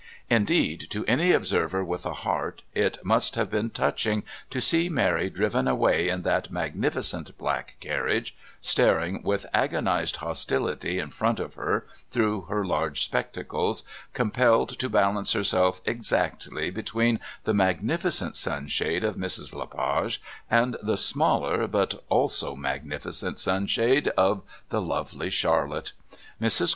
Indeed, to any observer with a heart it must have been touching to see Mary driven away in that magnificent black carriage, staring with agonised hostility in front of her through her large spectacles, compelled to balance herself exactly between the magnificent sunshade of Mrs. Le Page and the smaller but also magnificent sunshade of the lovely Charlotte. Mrs.